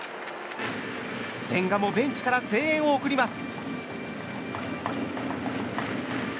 千賀もベンチから声援を送ります。